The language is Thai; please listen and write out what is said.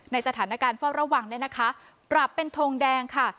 ในสถานการณ์พ่อระวังปรับเป็นทงแดงค่ะ